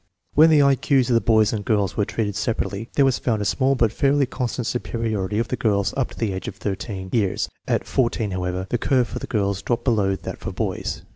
When the I Q's of the boys and girls were treated separately there was found a small but fairly constant superiority of the girls up to the age of 13 years. At 14, however, the curve for the girls dropped below that for boys.